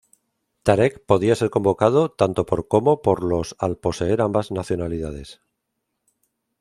Tarek podía ser convocado tanto por como por los al poseer ambas nacionalidades.